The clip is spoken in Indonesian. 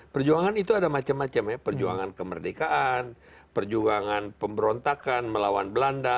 perjuangan itu ada macam macam ya perjuangan kemerdekaan perjuangan pemberontakan melawan belanda